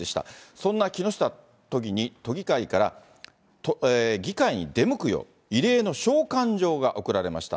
そんな木下都議に、都議会から議会に出向くよう、異例の召喚状が送られました。